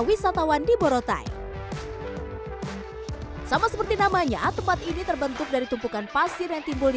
wisatawan di borotai sama seperti namanya tempat ini terbentuk dari tumpukan pasir yang timbul di